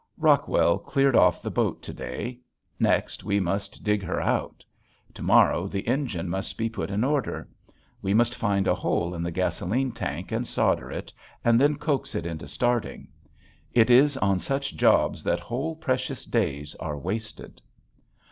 Rockwell cleared off the boat to day. Next we must dig her out. To morrow the engine must be put in order. We must find a hole in the gasoline tank and solder it and then coax it into starting. It is on such jobs that whole precious days are wasted.